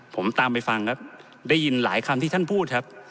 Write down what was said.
ผมตามไปฟังครับได้ยินหลายคำที่ท่านพูดครับ